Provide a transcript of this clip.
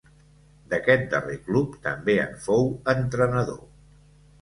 D'aquest darrer club també en fou entrenador.